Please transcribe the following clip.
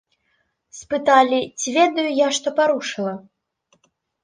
Спыталі, ці ведаю я, што парушыла.